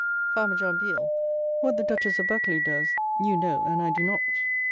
Farmer John Biel, what the Duchess of Buccleugh does, you know, and I do not.